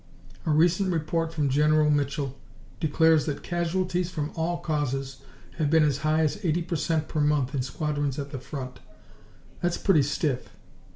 A recent report from General Mitchell declares that casualties from all causes have been as high as eighty per cent per month in squadrons at the front. That's pretty stiff!